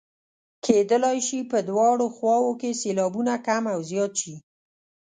کیدلای شي په دواړو خواوو کې سېلابونه کم او زیات شي.